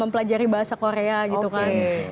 mempelajari bahasa korea gitu kan